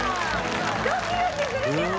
ドキドキするじゃん。